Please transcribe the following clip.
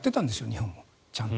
日本も、ちゃんと。